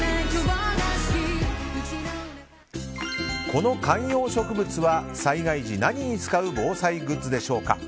この観葉植物は災害時何に使う防災グッズでしょうか？